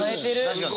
「確かに。